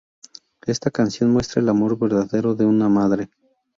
Esta canción muestra el amor verdadero de una madre.